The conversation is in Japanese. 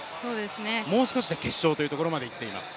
もう少しで決勝というところまでいっています。